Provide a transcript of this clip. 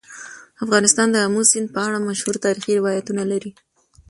افغانستان د آمو سیند په اړه مشهور تاریخي روایتونه لري.